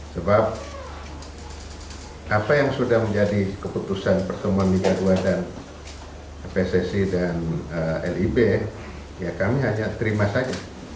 sebab apa yang sudah menjadi keputusan pertemuan liga dua dan pssi dan lib ya kami hanya terima saja